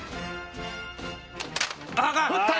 打った！